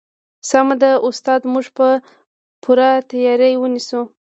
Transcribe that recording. سمه ده استاده موږ به پوره تیاری ونیسو